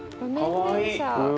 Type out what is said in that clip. かわいい。